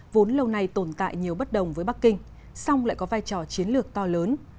vốn lâu nay tồn tại nhiều bất đồng với bắc kinh song lại có vai trò chiến lược to lớn